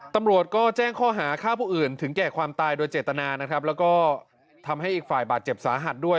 ตำรวจก็แจ้งข้อหาฆ่าผู้อื่นถึงแก่ความตายโดยเจตนานะครับแล้วก็ทำให้อีกฝ่ายบาดเจ็บสาหัสด้วย